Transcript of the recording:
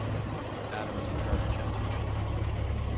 Adams and Turnage had two children.